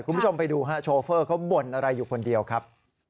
คุณผู้ชมไปดูฮะโชเฟอร์เขาบ่นอะไรอยู่คนเดียวครับ